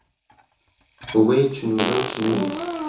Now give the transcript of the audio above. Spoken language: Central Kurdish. وەی چنوورە و چنووری